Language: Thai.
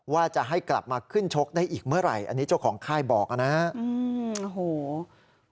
ว่าจะให้กลับมาขึ้นชกได้อีกเมื่อไหร่อันนี้เจ้าของค่ายบอกนะครับ